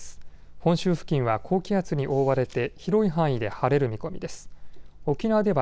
本州付近は高気圧に覆われて広い範囲で晴れる見込みです。